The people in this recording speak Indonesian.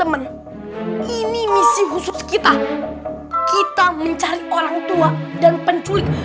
habis itu aku yang ngambil kunci